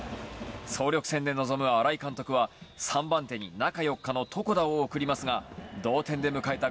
総力戦で臨む新井監督は３番手に中４日の床田を送りますが同点で迎えた